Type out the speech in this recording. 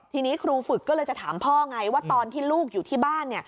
ทีนี้ครูฝึกก็เลยจะถามพ่อไงว่าตอนที่ลูกอยู่ที่บ้าน